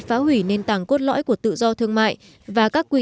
phá hủy nền tảng cốt lõi của tự do thương mại